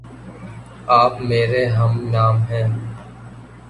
آپ میرے ہم نام ہےـ